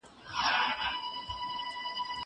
دا کتابونه له هغو مهم دي!!